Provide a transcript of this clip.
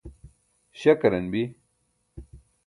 śakaran bi